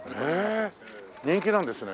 人気なんですね。